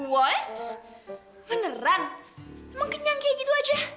whites beneran emang kenyang kayak gitu aja